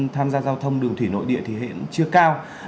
tham gia giao thông đường thủy nội địa thì hiện chưa cao